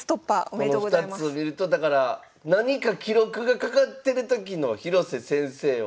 この２つを見るとだから何か記録がかかってるときの広瀬先生は。